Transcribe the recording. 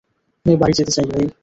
আমি বাড়ি যেতে চাই, ভাই।